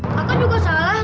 kau kan juga salah